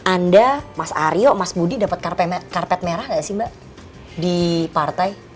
anda mas aryo mas budi dapat karpet merah nggak sih mbak di partai